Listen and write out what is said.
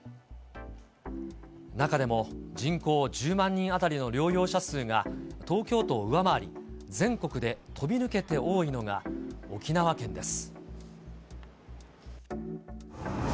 中でも、人口１０万人当たりの療養者数が東京都を上回り、全国で飛び抜けて多いのが沖縄県です。